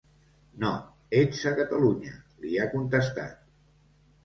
No, ets a Catalunya, li ha contestat.